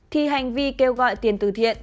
thì hành vi kêu gọi tiền từ thiện